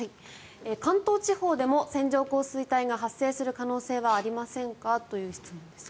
関東地方でも線状降水帯が発生する可能性はありませんかという質問ですが。